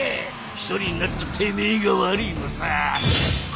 一人になったてめえが悪ぃのさ！